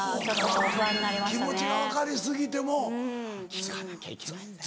・聞かなきゃいけないんだよ・